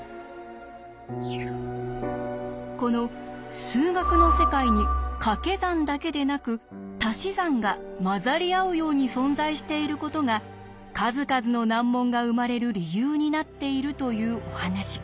この数学の世界にかけ算だけでなくたし算が混ざり合うように存在していることが数々の難問が生まれる理由になっているというお話。